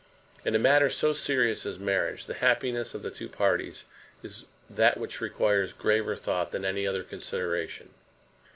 In a matter so serious as marriage, the happiness of the two parties is that which requires graver thought than any other consideration.